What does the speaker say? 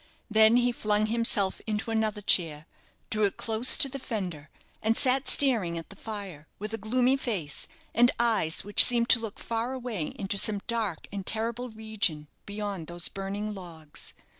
Then he flung himself into another chair, drew it close to the fender, and sat staring at the fire, with a gloomy face, and eyes which seemed to look far away into some dark and terrible region beyond those burning logs.